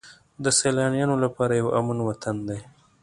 د سیلانیانو لپاره یو امن وطن دی.